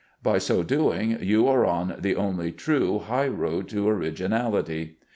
By so doing, you are on the only true high road to originality.